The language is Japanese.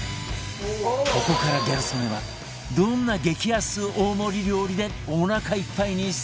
ここからギャル曽根はどんな激安大盛り料理でおなかいっぱいにするのか？